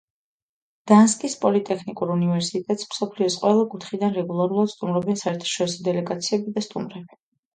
გდანსკის პოლიტექნიკურ უნივერსიტეტს მსოფლიოს ყველა კუთხიდან რეგულარულად სტუმრობენ საერთაშორისო დელეგაციები და სტუმრები.